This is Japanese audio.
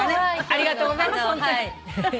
ありがとうございますホント。